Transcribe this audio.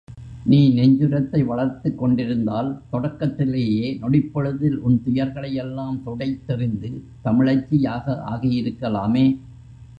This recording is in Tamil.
நீ நெஞ்சுரத்தை வளர்த்துக்கொண்டிருந்தால், தொடக்கத்திலேயே நொடிப்பொழுதில் உன் துயர்களையெல்லாம் துடைத் தெறிந்து, தமிழச்சி யாக ஆகியிருக்கலாமே?